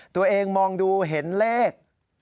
ตัวเองมองดูเห็นเลข